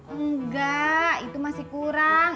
enggak itu masih kurang